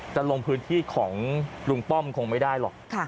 จะลงพื้นที่ของลุงป้อมคงไม่ได้หรอก